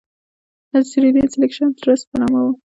دا د سیریلیون سیلکشن ټرست په نامه وو.